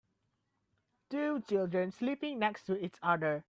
Two children sleeping next to each other.